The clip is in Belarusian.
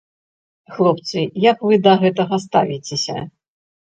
Хлопцы, як вы да гэтага ставіцеся?